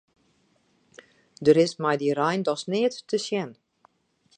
Der is mei dy rein dochs neat te sjen.